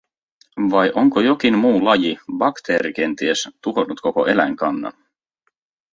Vai onko jokin muu laji, bakteeri kenties, tuhonnut koko eläinkannan?